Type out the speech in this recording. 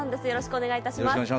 よろしくお願いします。